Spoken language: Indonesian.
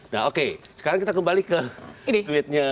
nah oke sekarang kita kembali ke ini tweetnya